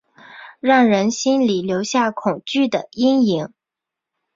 让人心里留下恐惧的阴影